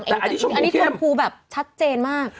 แต่อันนี้ชมพูเข้มอันนี้ชมพูแบบชัดเจนมาก